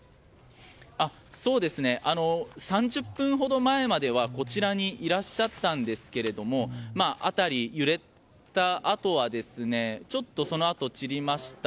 ３０分ほど前まではこちらにいらっしゃったんですが辺り、揺れたあとはちょっとそのあと散りました。